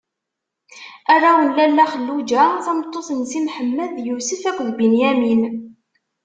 Arraw n Lalla Xelluǧa tameṭṭut n Si Mḥemmed: Yusef akked Binyamin.